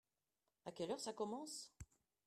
À quelle heure ça commence ?